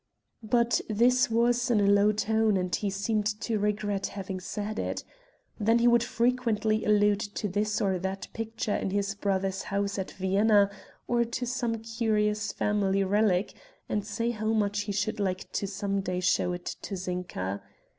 But this was in a low tone and he seemed to regret having said it. Then he would frequently allude to this or that picture in his brother's house at Vienna, or to some curious family relic, and say how much he should like some day to show it to Zinka.